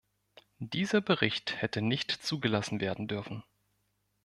Dieser Bericht hätte nicht zugelassen werden dürfen.